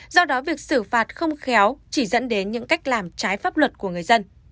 do đó việc xử phạt không khéo chỉ dẫn đến những cách làm trái pháp luật của người dân